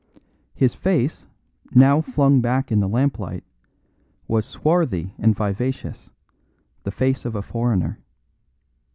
His face, now flung back in the lamplight, was swarthy and vivacious, the face of a foreigner.